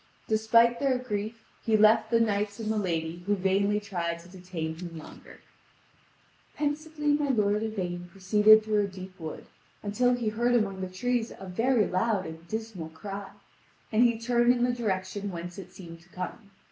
Despite their grief he left the knights and the lady who vainly tried to detain him longer. (Vv. 3341 3484.) Pensively my lord Yvain proceeded through a deep wood, until he heard among the trees a very loud and dismal cry, and he turned in the direction whence it seemed to come.